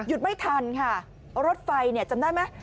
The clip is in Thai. หยุดไม่ทันค่ะรถไฟจำได้ไหม